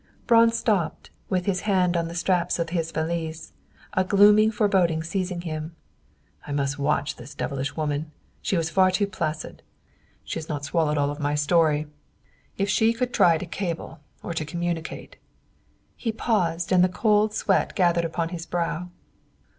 Braun stopped, with his hand on the straps of his valise, a glooming foreboding seized him. "I must watch this devilish woman! She was far too placid. She has not swallowed all my story. If she should try to cable, or to communicate." He paused, and the cold sweat gathered upon his brow.